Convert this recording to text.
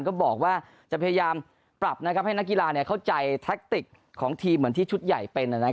ก็บอกว่าจะพยายามปรับให้นักกีฬาเข้าใจแทคติกของทีมเหมือนที่ชุดใหญ่เป็น